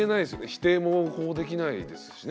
否定もこうできないですしね。